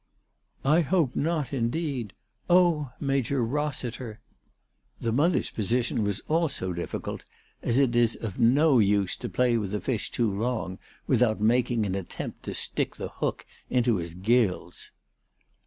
"I hope not, indeed. Oh, Major Eossiter !" The 380 ALICE DUGDALE. mother's position was also difficult, as it is of no use ^o play with, a fish too long without making an attempt to stick the hook into his gills.